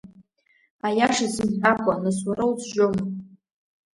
Аиаша сымҳәакәа, нас уара узжьома?